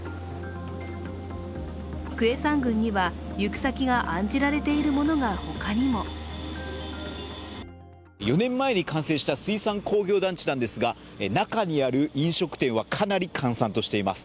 クェサン郡には行く先が案じられているものがほかにも４年前に完成した水産工業団地ですが中にある飲食店はかなり閑散としています。